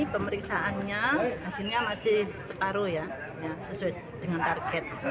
pemeriksaannya hasilnya masih separuh ya sesuai dengan target